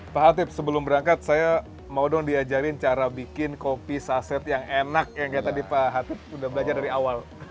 pak hatip sebelum berangkat saya mau dong diajarin cara bikin kopi saset yang enak yang kayak tadi pak hatip udah belajar dari awal